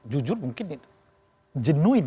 jujur mungkin jenuin